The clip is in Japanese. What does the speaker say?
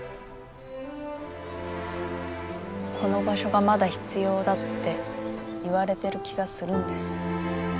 この場所がまだ必要だって言われてる気がするんです。